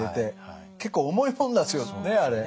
結構重いもんなんですよねあれ。